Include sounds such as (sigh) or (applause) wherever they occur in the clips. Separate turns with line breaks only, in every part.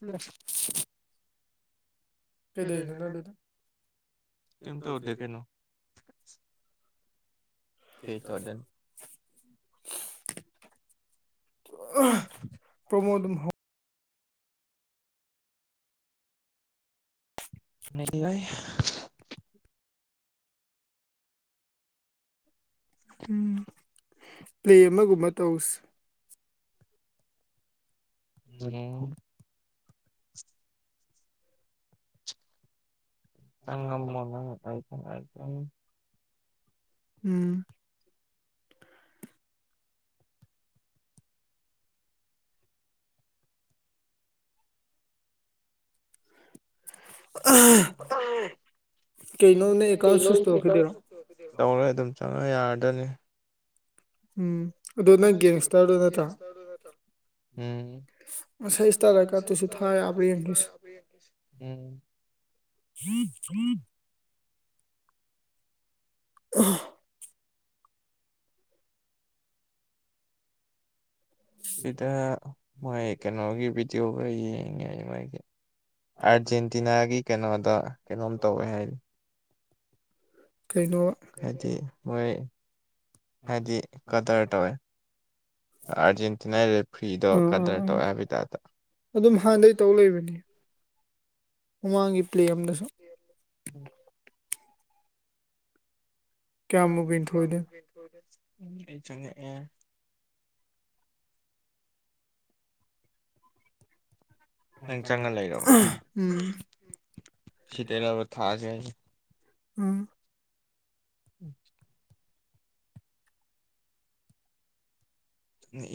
(unintelligible) ꯀꯩꯗꯩꯅꯣ (unintelligible) (unintelligible) ꯄ꯭ꯔꯃꯣ ꯑꯗꯨꯝ
(unintelligible)
ꯎꯝ ꯄ꯭ꯂꯦ ꯑꯃꯒꯨꯝꯕ ꯇꯧꯁꯤ
(unintelligible) (unintelligible)
ꯎꯝ
ꯀꯩꯅꯣꯅꯦ (unintelligible) ꯇꯧꯔꯣꯏ ꯑꯗꯨꯝ ꯆꯪꯉ ꯌꯥꯔꯗꯅꯦ
ꯎꯝ ꯑꯗꯨ ꯅꯪ ꯒꯦꯡꯁꯇꯥꯔꯗꯣ ꯅꯠꯇ
ꯎꯝ (unintelligible) ꯎꯝ
(unintelligible) ꯑ
ꯥꯏꯗ ꯃꯣꯏ ꯀꯩꯅꯣꯒꯤ ꯚꯤꯗꯤꯑꯣꯒ ꯌꯦꯡꯉꯦ ꯃꯒꯤ ꯑꯥꯔꯖꯦꯟꯇꯤꯅꯥꯒꯤ ꯀꯩꯅꯣꯗꯣ ꯀꯩꯅꯣꯝ ꯇꯧꯋꯦ ꯍꯥꯏꯔꯤ
ꯀꯩꯅꯣ
ꯍꯥꯏꯗꯤ ꯃꯣꯏ ꯍꯥꯏꯗꯤ ꯀꯗꯔ ꯇꯧꯋꯦ ꯑꯥꯔꯖꯦꯟꯇꯤꯅꯥ ꯔꯦꯐ꯭ꯔꯤꯗꯣ ꯀꯗꯔ ꯇꯧꯋꯦ ꯍꯥꯏꯕ ꯇꯥꯏꯞꯗ
ꯑꯗꯨꯝ ꯍꯥꯟꯅꯗꯒꯤ ꯇꯧ ꯂꯩꯕꯅꯤ ꯃꯃꯥꯡꯒꯤ ꯄꯂꯦ ꯑꯃꯗꯁꯨ
(inaudible)
ꯀꯌꯥꯝꯕꯨ ꯍꯦꯜꯅ ꯙꯣꯏꯗꯣꯏꯅꯣ
ꯎ ꯑꯩ ꯆꯪꯉꯛ ꯑꯦ
ꯎꯝ ꯎꯝ
ꯎꯝ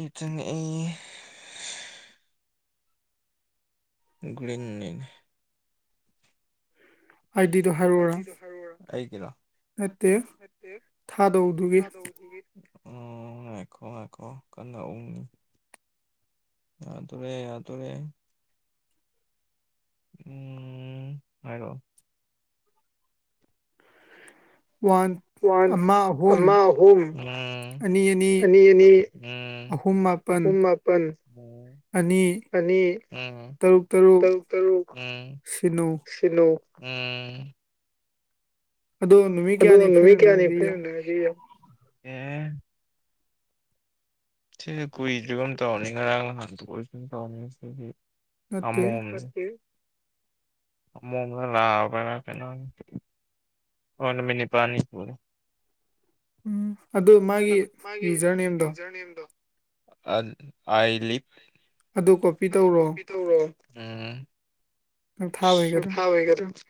ꯏꯎꯇ꯭ꯔꯟ ꯅꯤ ꯑꯩ ꯒ꯭ꯔꯤꯟꯅꯤꯅꯦ (inaudible) ꯑꯩꯒꯤꯔꯣ (inaudible) ꯎꯝ ꯉꯥꯏꯈꯣ ꯉꯥꯏꯈꯣ ꯀꯟꯅ ꯎꯡꯉꯤ ꯌꯥꯗꯣꯔꯦ ꯌꯥꯗꯣꯔꯦ ꯎꯝ ꯍꯥꯏꯔꯛꯑꯣ ꯋꯥꯟ ꯑꯃ ꯑꯍꯨꯝ ꯑꯅꯤ ꯑꯅꯤ ꯎꯝ ꯑꯍꯨꯝ ꯃꯥꯄꯟ ꯑꯅꯤ ꯎꯝ ꯇꯔꯨꯛ ꯇꯔꯨꯛ ꯎꯝ (unintelligible) ꯎꯝ ꯑꯗꯨꯒ ꯅꯨꯃꯤꯠ ꯀꯌꯥꯅꯤ ꯐ꯭ꯔꯦꯟ (unintelligible) ꯁꯤꯖꯦ ꯀꯨꯏꯗ꯭ꯔꯒꯨꯝ ꯇꯧꯕꯅꯤ ꯉꯔꯥꯡ ꯅꯍꯥꯟꯗ ꯑꫭꯏꯒꯨꯝ ꯇꯧꯕꯅꯤ ꯁꯤꯗꯤ ꯑꯃꯣꯝ ꯑꯃꯣꯝꯂ ꯂꯕꯔ (unintelligible) ꯑꯣ ꯅꯨꯃꯤꯠ ꯅꯤꯄꯥꯟꯅꯤ ꯁꯨꯔꯦ
ꯎꯝ
ꯑꯗꯨ ꯃꯥꯒꯤ ꯌꯨꯖꯔ ꯅꯦꯝꯗꯣ ꯑꯥꯏ ꯂꯤꯞ ꯇꯧꯔꯣ ꯎꯝ (unintelligible)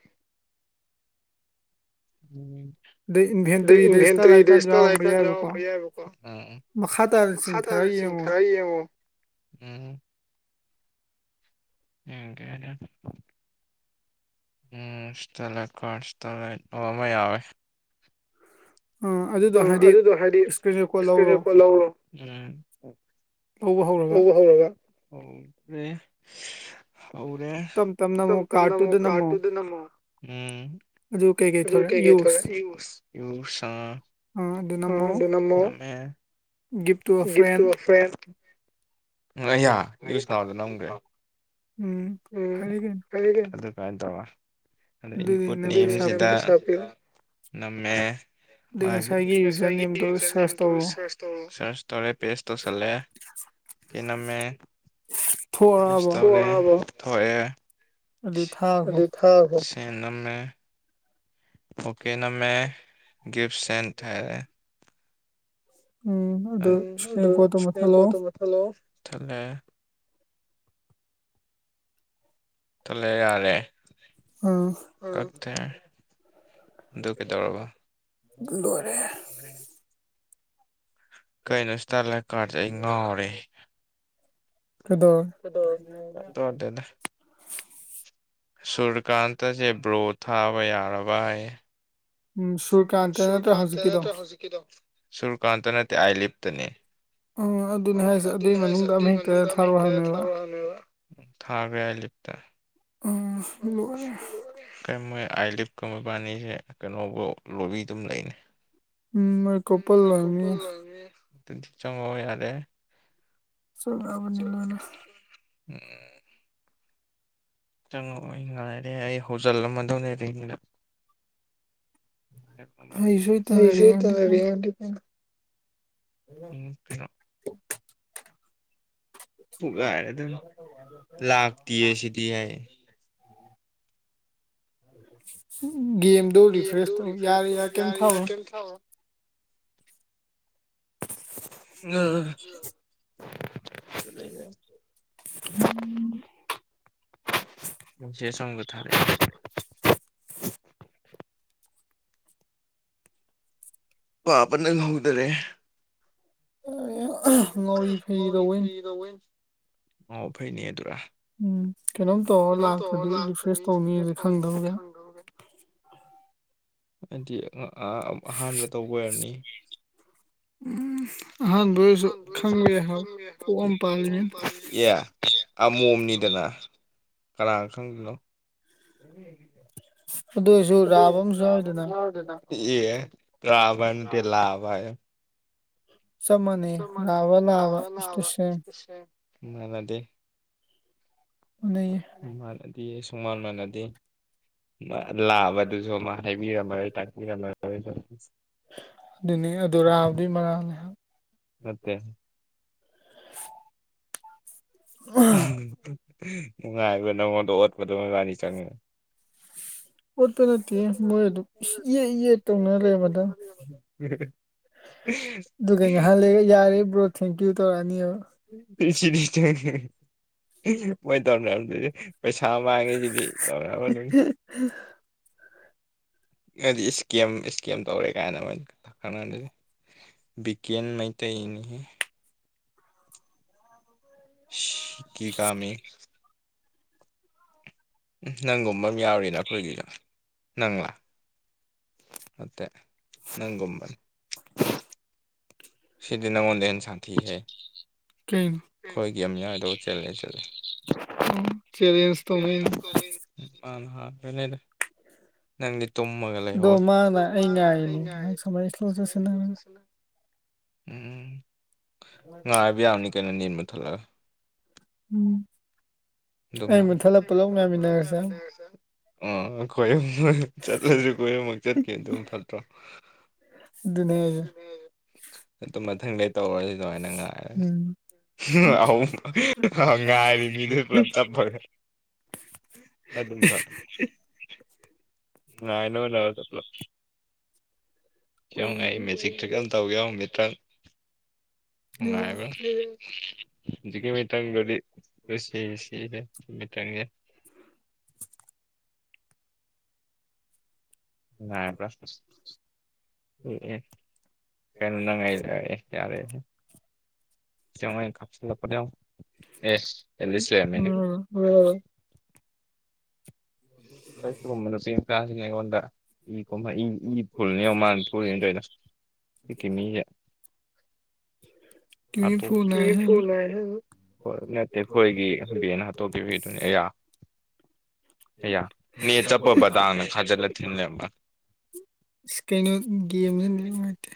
(unintelligible) ꯏꯟꯐꯦꯟꯇ꯭ꯔꯤ (unintelligible) ꯌꯥꯎꯔꯝꯕ ꯌꯥꯏꯕꯀꫭ ꯃꯈꯇꯥꯅ ꯆꯤꯡꯊꯔ ꯌꯦꯡꯉꯣ
(inaudible)
ꯎꯝ ꯎꯝ ꯀꯩ ꯍꯥꯏꯗꯨꯅꫭ (unintelligible) ꯑꯃ ꯌꯥꯎꯋꯦ ꯑꯗꯨꯗꯣ ꯍꯥꯏꯗꯤꯍꯤ ꯏꯁꯀ꯭ꯔꯤꯟ ꯔꯦꯀꫭꯔꯗ ꯂꯧꯔꯣ ꯎꯡꯕ ꯍꯧꯔꯕ ꯍꯧꯗ꯭ꯔꯤ ꯍꯧꯔꯦ ꯇꯥꯝ ꯇꯥꯝꯅ ꯃꯨꯛ ꯀꯥꯔꯗꯇꯨꯗ ꯅꯝꯃꯣ ꯀꯩ ꯀꯩ ꯊꫭꯛꯂꯦ ꯏꯎꯁ ꯑ ꯑꯗ ꯅꯝꯃꯣ ꯅꯝꯃꯦ ꯒꯤꯐꯇꫭ ꯑꯌꯥ ꯌꯨꯁ ꯅꯥꯎꯗ ꯅꯝꯈ꯭ꯔꯦ
ꯎꯝ
ꯎꯝ ꯐꯔꯦ ꯀꯩꯅꫭ ꯑꯗꯨꯃꯥꯏ ꯇꯧꯔꯁꯤ ꯏꯟꯄꯨꯠ (unintelligible) ꯅꯝꯃꯦ ꯃꯥꯒꯤ ꯉꯁꯥꯏꯒꯤ ꯌꯨꯖꯔ ꯅꯦꯝꯗꫭ ꯁꯔꯆ ꯇꯧꯔꯦ ꯄꯦꯖ ꯇꯧꯁꯜꯂꯦ ꯀꯩ ꯅꯝꯃꯦ (unintelligible) ꯊꯣꯛꯑꯦ
ꯑꯗꯨ ꯊꯥꯒ꯭ꯔꯦ
ꯊꯥꯒ꯭ꯔꫭ ꯁꯦꯟꯇ ꯅꯝꯃꯦ ꯑꯣꯀꯦ ꯅꯝꯃꯦ ꯒꯤꯐ ꯁꯦꯟꯇ ꯊꯥꯔꯑꯦ
ꯎꯝ ꯑꯗꯨ ꯏꯁꯀ꯭ꯔꯤꯟ ꯔꯦꯀꯣꯠꯇꫭ ꯃꯨꯊꯠꯂꯣ
ꯍꯜꯂꯣ ꯊꯠꯂꯦ ꯊꯠꯂꯦ ꯌꯥꯔꯦ (unintelligible) ꯑꯗꯨ ꯀꯩꯗꯧꯔꯕ
ꯂꯣꯏꯔꯦ
ꯀꯩꯅꯣ ꯁ꯭ꯇꯥꯔꯂꯥꯏꯇ ꯀꯥꯔꯗ ꯁꯦ ꯑꯩ ꯉꯥꯎꯔꯦ
ꯀꯗꯧꯔꯒꯦ
(unintelligible) ꯇꯥꯗꯦꯗ ꯁꯨꯔꯀꯥꯟꯇꯁꯦ ꯕ꯭ꯔꯣ ꯊꯥꯕ ꯌꯥꯔꯕ ꯍꯥꯏꯌꯦ ꯁꯨꯔ ꯀꯥꯟ ꯁꯨꯔ ꯀꯥꯟꯇ ꯅꯠꯇꯕ ꯍꯧꯖꯤꯛꯀꯤꯗꯣ ꯁꯨꯔ ꯀꯥꯟꯇ ꯅꯠꯇꯦ ꯑꯥꯏꯂꯤꯞ ꯇꯥꯅꯦ ꯑꯗꯨꯅꯦ ꯍꯥꯏꯁꯦ ꯑꯗꯨꯏ ꯃꯅꯨꯡꯗ ꯑꯃ ꯍꯦꯛꯇ ꯊꯥꯔꯣꯅ ꯍꯥꯏꯕꯅꯦꯕ ꯊꯥꯕꯌꯥꯏ ꯂꯤꯞ (unintelligible)
ꯎꯝ ꯂꯣꯏꯔꯦ
ꯀꯩ ꯃꯣꯏ ꯑꯥꯏ ꯂꯤꯞꯀꯨꯝꯕ ꯄꯥꯅꯩꯁꯦ ꯀꯩꯅꯣꯕꯧ ꯂꯣꯏꯕꯒꯤ ꯑꯗꯨꯝ ꯂꯩꯅꯦ (unintelligible) ꯑꯗꯨꯗꯤ ꯆꯪꯉꯣ ꯌꯥꯔꯦ
ꯆꯨꯝꯔꯕꯅꯤ ꯂꯣꯏꯅ
ꯎꯝ ꯆꯪꯉꯛꯑꯣ ꯑꯩ ꯉꯥꯏꯔꯦ ꯑꯩ ꯍꯧꯖꯤꯜꯂꯝꯃꯗꯧꯅꯦ ꯑꯗꯩꯗꯤ ꯅꯪ (unintelligible) ꯑꯗꯨꯗꯤ ꯀꯩꯅꯣ
(unintelligible) (unintelligible) ꯒꯦꯝꯗꯣ ꯔꯤꯐ꯭ꯔꯦꯁ ꯇꯧ ꯌꯥꯔꯦ ꯌꯥꯔ ꯀꯩꯝ ꯊꯥꯔꯨꯅꯨ
ꯊꯥꯎꯔꯅꯨ (unintelligible)
(inaudible)
ꯃꯦꯁꯦꯁ ꯑꯃꯒ ꯊꯥꯔꯦ ꯄꯥꯕ ꯅꯪꯍꯧꯗ꯭ꯔꯦ
(inaudible)
ꯉꯥꯎꯔꯤ ꯐꯩꯔꯤ ꯇꯧꯕꯩꯖꯤ ꯑꯣ ꯐꯩꯅꯦ ꯑꯗꯨꯔ
ꯎꯝ ꯀꯩꯅꯣꯝ ꯇꯧꯔ ꯂꯥꯛꯇ꯭ꯔꯗꯤ ꯔꯤꯐ꯭ꯔꯦꯁ ꯇꯧꯅꯤꯁꯦ ꯈꯪꯗꯕ ꯀꯩꯅꯣ
(unintelligible) ꯅꯠꯇꯤꯌꯦ ꯑꯥ ꯑꯍꯥꯟꯕ ꯇꯧꯕ ꯑꯣꯏꯔꯝꯅꯤ
(inaudible) ꯎꯝ ꯑꯍꯥꯟꯕ ꯑꯣꯏꯁꯨ ꯈꯪꯕ ꯌꯥꯏ ꯍꯥꯏꯕ ꯀꯣꯛꯑꯝ ꯄꯥꯜꯂꯤꯃꯤꯅ
ꯑꯃꯣꯝꯅꯤꯗꯅ ꯀꯅꯥꯅ ꯈꯪꯗꯣꯏꯅꯣ ꯑꯗꯨꯕꯨ ꯂꯥꯕꯝ ꯌꯥꯎꯗꯅ ꯑꯦ ꯂꯥꯕ ꯍꯥꯏꯕ ꯅꯠ ꯅꯠꯇꯦ ꯂꯥꯕꯥ ꯍꯥꯏꯌꯣ ꯆꯞ ꯃꯥꯅꯩ ꯂꯥꯕ ꯔꯥꯕ ꯏꯁꯄꯤꯁꯦꯜ ꯃꯥꯟꯅꯗꯦ ꯃꯥꯟꯅꯗꯦ ꯁꯨꯃꯥꯟ ꯃꯥꯟꯅꯗꯦ ꯂꯥꯕꯗꯃꯁꯨ ꯃꯥ ꯍꯥꯏꯕꯤꯔꯝꯃꯂꯣꯏ ꯇꯥꯛꯄꯤꯔꯝꯃꯂꯣꯏꯗꯣ
ꯑꯗꯨꯅꯦ ꯑꯗꯣ ꯔꯥꯕꯗꯨꯒꯤ ꯃꯔꯥꯜꯅꯤ ꯍꯥꯏꯕ
ꯅꯠꯇꯦ ꯅꯨꯡꯉꯥꯏꯕ ꯅꯉꯣꯟꯗ ꯑꯣꯠꯄꯗ ꯃꯣꯏꯕꯥꯅꯤ ꯆꯪꯉꯒ (unintelligible)
ꯑꯗꯨꯒ ꯉꯥꯏꯍꯥꯛ ꯂꯩꯒ ꯌꯥꯔꯦ ꯕ꯭ꯔꯣ ꯊꯦꯡꯀ꯭ꯌꯨ ꯇꯧꯔꯛꯑꯅꯤꯕ
(inaudible) ꯃꯣꯏ ꯇꯧꯅꯔꯝꯗꯣꯏꯖꯦ ꯄꯩꯁꯥ ꯃꯥꯡꯉꯦ ꯁꯤꯗꯤ (unintelligible) ꯍꯥꯏꯗꯤ ꯏꯁꯀꯦꯝ ꯏꯁꯀꯦꯝ ꯇꯧꯔꯦ ꯀꯥꯏꯅ ꯃꯣꯏ ꯈꯪꯅꯔꯝꯗꯣꯏꯅꯤ ꯕꯤꯀꯦꯟ ꯃꯩꯇꯩꯅꯤꯍꯦ ꯁꯤ ꯀꯥꯃꯦ ꯎꯝ ꯅꯪꯒꯨꯝꯕ ꯑꯃ ꯌꯥꯎꯔꯤꯅ ꯑꯩꯈꯣꯏꯒꯤꯁꯨ ꯅꯪꯂꯥ ꯅꯠꯇꯦ ꯅꯪꯒꯨꯝꯕꯅꯦ
(unintelligible)
ꯁꯤꯗꯤ ꯅꯪꯉꯣꯟꯗꯩꯩ ꯍꯦꯟꯅ ꯁꯥꯊꯤꯍꯦ ꯎꯝ ꯈꯣꯏꯒꯤ ꯑꯝꯌꯥꯏꯗꯣ ꯆꯜꯂꯦ ꯆꯠꯂꯦ (unintelligible) ꯀꯥꯡ ꯍꯥꯠꯄꯅꯦꯗ
ꯑꯗꯣ ꯃꯥꯅ ꯑꯩ ꯉꯥꯏꯅꯦ ꯍꯪ ꯁꯃꯥꯏ ꯁꯂꯣ
(unintelligible) ꯎꯝ ꯉꯥꯏꯕ ꯌꯥꯅꯤ ꯀꯩꯅꯣ ꯅꯦꯠ ꯃꯨꯠꯊꯠ꯭ꯂꯒ
ꯎꯝ
ꯑꯗꯨꯝꯅ ꯅꯦꯠ ꯃꯨꯊꯠꯂꯒ ꯄꯨꯂꯞ ꯉꯥꯏꯃꯤꯟꯅꯔꯥꯁꯦ ꯑꯣ ꯑꯈꯣꯏ ꯑꯍꯨꯝꯃꯛ ꯆꯠꯂꯁꯨ ꯑꯈꯣꯏ ꯑꯍꯨꯝꯃꯛ ꯆꯠꯀꯦꯅ ꯑꯗꯨꯝ ꯐꯠꯇ꯭ꯔꯣ
ꯑꯗꯨꯅꯦ ꯍꯥꯏꯁꯤ
ꯑꯗꯨ ꯃꯊꯪꯗ ꯇꯧꯔꯁꯤ ꯑꯗꯨꯃꯥꯏꯅ ꯉꯥꯏꯔꯁꯤ ꯉꯥꯏꯔꯤ ꯃꯤꯗꯨ ꯄꯨꯂꯞ ꯆꯞꯄꯒꯦ ꯑꯗꯨ ꯐꯔꯦ ꯉꯥꯏꯅꯣꯅ ꯑꯗꯨ ꯄꯨꯂꯞ ꯌꯦꯉꯧ ꯑꯩ ꯃꯦꯖꯤꯛꯇ ꯀꯩꯝ ꯇꯧꯒꯦ ꯌꯦꯡꯉꯣ ꯃꯤꯇ꯭ꯔꯪ ꯅꯨꯡꯉꯥꯏꯕ꯭ꯔꯥ ꯌꯦꯎ ꯍꯧꯖꯤꯛꯀꯤ ꯃꯤꯇꯔꯪꯗꯨꯗꯤ (unintelligible) ꯃꯤꯇꯔꯪꯅꯦ ꯅꯨꯡꯉꯥꯏꯕꯔꯥ ꯑꯦ ꯀꯩꯅꯣ ꯅꯪ ꯑꯩ ꯑꯦ ꯌꯥꯔꯦ ꯑꯗꯨꯅꯤ ꯁꯤ ꯀꯥꯞꯁꯤꯜ ꯂꯛꯄꯗꯣ ꯌꯦꯡꯉꯣ ꯑꯦꯁ ꯑꯦꯂꯤꯁ ꯂꯩꯔꯝꯃꯦꯅꯦ ꯑꯈꯣꯏ ꯇꯣꯝꯕ ꯅꯨꯄꯤꯝꯆꯥꯖꯤꯅ ꯑꯩꯉꯣꯟꯗ ꯃꯤ ꯀꯣꯝꯕ ꯏ ꯃꯤ ꯐꯨꯜꯂꯦ ꯌꯦꯡꯎ ꯃꯥꯅ ꯊꯣꯛꯂꯩꯅ ꯇꯧꯏꯗꯣ ꯁꯤꯛꯀꯤ ꯃꯤꯁꯦ (unintelligible) ꯍꯣꯏ ꯅꯠꯇꯦ ꯑꯩꯈꯣꯏꯒꯤ (unintelligible) ꯍꯥꯠꯇꯣꯛꯄꯤꯈꯤꯕꯗꯨꯅꯦ ꯑꯌꯥ ꯑꯌꯥ ꯅꯦꯠ ꯆꯞꯄꯕ ꯄꯇꯥꯡꯅ ꯈꯥꯖꯜꯂ ꯊꯤꯡ ꯂꯩꯔꯝꯕꯋꯥꯅꯦ
ꯀꯩꯅꯣ ꯒꯦꯝꯁꯦ ꯅꯨꯡꯉꯥꯏꯇꯦ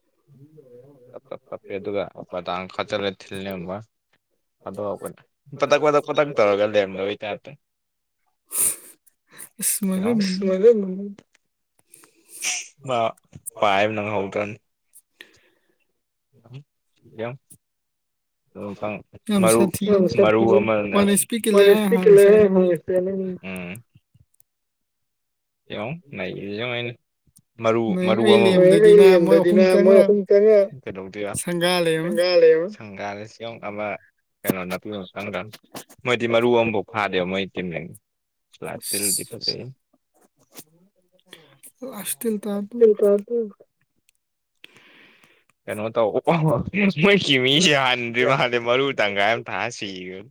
(unintelligible)
ꯇꯞ ꯇꯞ ꯇꯞꯄꯦ ꯑꯗꯨꯒ ꯕꯗꯥꯡ ꯊꯥꯖꯜꯂꯥ ꯊꯤꯜ ꯂꯩꯔꯝꯕꯋꯥ ꯑꯗꯣ ꯑꯈꯣꯏ ꯄꯇꯛ ꯄꯇꯛ ꯄꯇꯛ ꯇꯧꯔꯒ ꯂꯩꯔꯝꯗꯕꯩ ꯇꯥꯏꯞꯇꯥ (unintelligible) ꯃꯥ ꯄꯥꯏꯕ ꯅꯪꯍꯧꯗꯝꯅꯤ (inaudible) ꯃꯔꯨ ꯃꯔꯨ ꯑꯃꯅ (unintelligible) (unintelligible) ꯎꯝ ꯌꯦꯡꯎ ꯅꯩꯔꯤꯖꯦ ꯌꯦꯡꯎ ꯑꯩꯅ ꯃꯔꯨ ꯃꯔꯨ ꯑꯃ (unintelligible) ꯂꯦꯝꯗꯗꯤꯅ ꯃꯣꯏ ꯑꯍꯨꯝ ꯆꯪꯪꯒꯥ ꯀꯩꯗꯧꯗꯣꯏꯕ ꯂꯩ ꯍꯪꯒꯥꯗ ꯁꯤꯑꯣꯡ ꯑꯃ ꯀꯩꯅꯣ ꯅꯥꯄꯤ ꯑꯃꯇꯪꯗ ꯃꯣꯏꯗꯤ ꯃꯔꯨ ꯑꯃꯐꯥꯎ ꯐꯥꯗꯦꯕ ꯃꯣꯏ ꯇꯤꯝꯂꯦꯟꯅꯤ ꯁꯂꯥꯏꯠ ꯇꯤꯟꯗꯤ ꯐꯖꯩꯍꯦ
ꯑꯁ ꯇꯤꯟ ꯇꯥꯕꯗꯨ
ꯎꯝ ꯀꯩꯅꯣ ꯇꯧꯑꯣ ꯃꯣꯏꯒꯤ ꯀꯤꯃꯤꯁꯤ ꯍꯥꯟꯗ꯭ꯔꯤ ꯃꯥꯜꯂꯦ ꯃꯔꯨ ꯇꯪꯈꯥꯏ ꯑꯃ ꯊꯥꯁꯤꯒꯔꯥ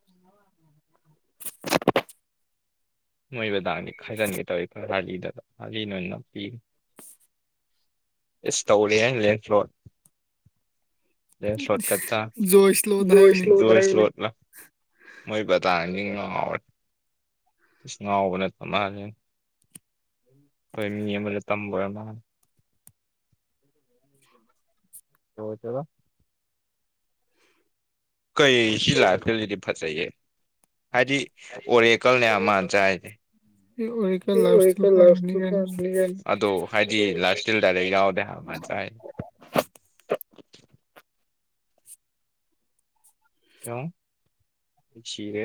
(unintelligible)
ꯅꯣꯏꯕꯗꯥꯥꯛꯗꯤ ꯈꯥꯏꯖꯤꯟꯒꯦ ꯇꯧꯋꯏ ꯔꯥꯂꯤꯗꯨꯗ ꯔꯥꯂꯤ ꯅꯣꯏ ꯑꯣꯏꯅꯄꯤꯒ (unintelligible) ꯏꯁ ꯇꯧꯔꯤꯍꯦ ꯂꯦꯟꯁ ꯂꯣꯠ ꯂꯦꯁꯂꯠ ꯀꯠꯆꯥ (unintelligible) ꯃꯣꯏ ꯕꯥꯗꯥꯡꯁꯤ ꯉꯥꯎꯔꯦ ꯏꯁ ꯉꯥꯎꯕ ꯅꯠꯇ ꯃꯥꯜꯂꯦ ꯃꯣꯏ ꯃꯤ ꯑꯃꯗ ꯇꯝꯕ ꯑꯣꯏꯔ ꯃꯥꯜꯂꯦ ꯍ ꯆꯣ (unintelligible) ꯀꯩ ꯁꯤ ꯂꯥꯏꯐ ꯁꯇꯤꯜꯁꯤꯗꯤ ꯐꯖꯩꯌꯦ ꯍꯥꯏꯗꯤ ꯑꯣꯔꯦꯀꯜꯅꯦ ꯃꯥꯅ ꯆꯥꯏꯖꯤ ꯑꯗꯣ ꯍꯥꯏꯗꯤ ꯂꯥꯏꯐ ꯏꯁꯇꯤꯜ ꯗꯥꯏꯔꯦꯛ ꯌꯥꯎꯗꯦ ꯍꯥꯏꯕ ꯃ ꯆꯥ ꯍꯣ ꯁꯤꯔꯦ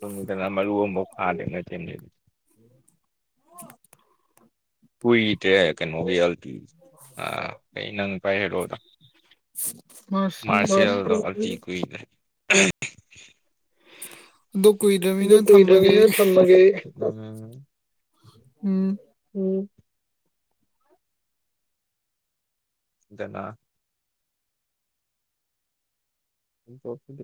ꯇꯗꯅ ꯃꯔꯨ ꯑꯃꯐꯥꯎ ꯐꯥꯗꯦꯅ ꯊꯦꯝꯖꯩꯗꯤ
ꯑꯣ
ꯀꯨꯏꯗꯦ ꯀꯩꯅꯣꯒꯤ ꯑꯣꯏꯌꯦꯗꯤ ꯑꯩ ꯅꯪ ꯄꯥꯏ ꯍꯥꯏꯔꯣꯑꯣꯗ ꯃꯥꯔꯁꯦꯜꯗꯣ ꯑꯜꯇꯤ ꯀꯨꯏꯕꯅꯦ ꯑꯗ ꯀꯨꯏꯗꯃꯤꯅ ꯊꯝꯃꯒꯦ
ꯎꯝ
ꯎꯝ ꯗꯅꯥ ꯎꯗꯤ (unintelligible)